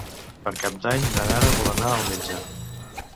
Per Cap d'Any na Nara vol anar al metge.